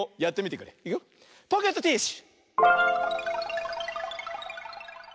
ポケットティッシュ！